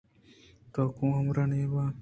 توٛ کواں ہمبراہ نہ بیت